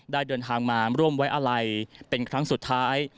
เดินทางมาร่วมไว้อาลัยเป็นครั้งสุดท้าย